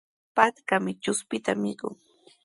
Patrkami chuspita mikun.